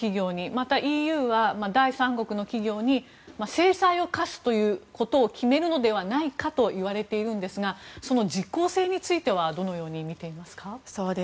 またＥＵは第三国の企業に制裁を科すということを決めるのではないかといわれているんですがその実効性についてはどのように見ていますか？